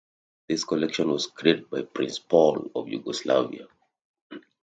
This collection was created by Prince Paul of Yugoslavia.